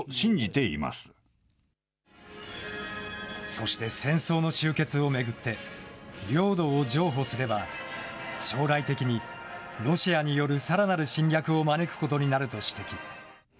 そして、戦争の終結を巡って、領土を譲歩すれば、将来的にロシアによるさらなる侵略を招くことになると指摘。